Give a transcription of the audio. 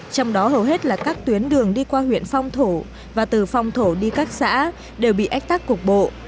trong đó hầu hết là các tuyến đường đi qua huyện phong thổ và từ phong thổ đi các xã đều bị ách tắc cục bộ